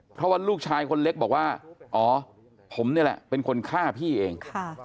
เพราะว่าลูกชายคนเล็กบอกว่าอ๋อผมนี่แหละเป็นคนฆ่าพี่เอง